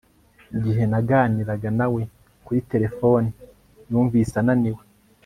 Igihe naganiraga na we kuri terefone yumvise ananiwe